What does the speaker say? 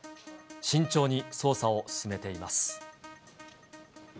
慎重に捜査を進めています。